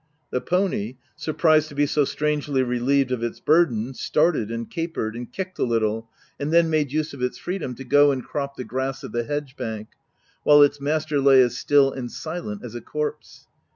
The pony, surprised to be so strangely relieved of its bur den, started and capered, and kicked a little, and then made use of its freedom to go and crop the grass of the hedge bank ; while its master lay as still and silent as a corpse.